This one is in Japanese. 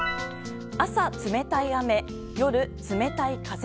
朝冷たい雨、夜冷たい風。